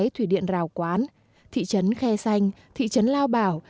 thủy điện rào quán thị trấn khe xanh thị trấn lao bảo